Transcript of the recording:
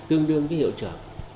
tương đương với hiệu trưởng